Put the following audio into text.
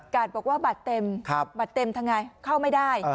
บอกว่าบัตรเต็มบัตรเต็มทำไงเข้าไม่ได้